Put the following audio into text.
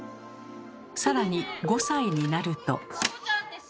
更に５歳になると。